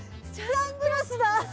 サングラス。